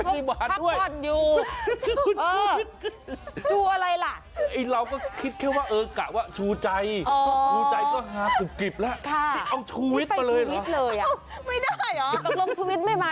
นี่ไปชูวิทเลยหรอครับไม่ได้เหรอชูวิทไม่มาชูใจไม่มา